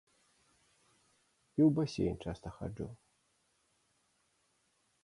І ў басейн часта хаджу.